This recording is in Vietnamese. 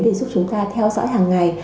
để giúp chúng ta theo dõi hàng ngày